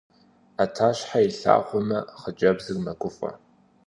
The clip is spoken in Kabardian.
Ӏэтащхьэ илъагъумэ, хъыджэбзыр мэгуфӀэ.